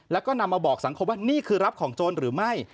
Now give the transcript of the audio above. แล้วก็นำมาบอกสังคมว่านี่คือรับของโจรหรือไม่